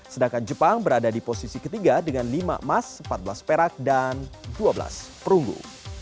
sedangkan jepang berada di posisi ketiga dengan lima emas empat belas perak dan dua belas perunggu